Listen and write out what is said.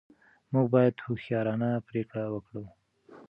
موږ باید هوښیارانه پرېکړې وکړو.